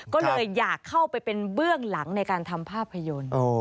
ก็เลยอยากเข้าไปเป็นเบื้องหลังในการทำภาพยนตร์